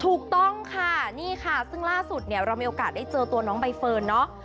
ถูกต้องค่ะนี่ค่ะซึ่งล่าสุดเนี่ยเรามีโอกาสได้เจอตัวน้องใบเฟิร์นเนาะ